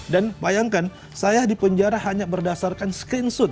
dan bayangkan saya di penjara hanya berdasarkan screenshot